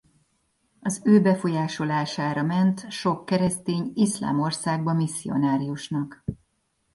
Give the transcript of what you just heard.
Az ő befolyásolására ment sok keresztény iszlám országba misszionáriusnak.